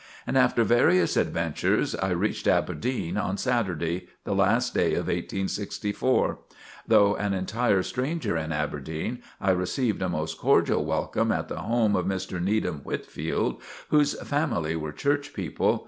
And after various adventures, I reached Aberdeen on Saturday, the last day of 1864. Though an entire stranger in Aberdeen, I received a most cordial welcome at the home of Mr. Needham Whitfield, whose family were church people.